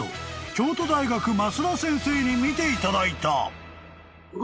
京都大学益田先生に見ていただいた］